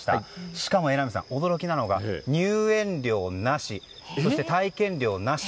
しかも榎並さん、驚きなのが入園料なしそして、体験料なし。